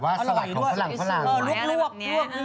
กะหล่ำสีที่แบบสวย